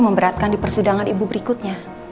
memberatkan di persidangan ibu berikutnya